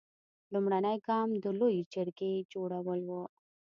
لومړنی ګام د لویې جرګې جوړول و.